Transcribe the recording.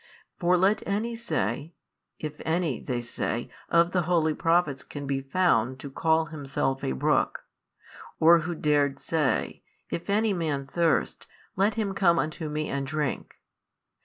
For let any say, if any (they say) of the holy Prophets can be found to call himself a brook, or who dared say, If any man thirst, let him come unto me and drink?